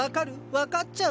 分かっちゃう？